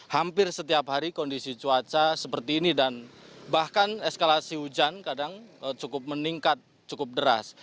hampir setiap hari kondisi cuaca seperti ini dan bahkan eskalasi hujan kadang cukup meningkat cukup deras